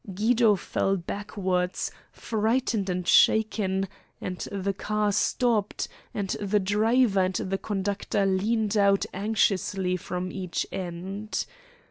Guido fell backwards, frightened and shaken, and the car stopped, and the driver and the conductor leaned out anxiously from each end.